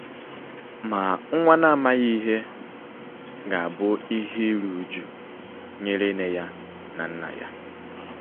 Oge a na-agba ha ajụjụọnụ